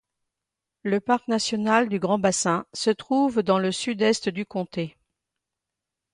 Le parc national du Grand Bassin se trouve dans le sud-est du comté.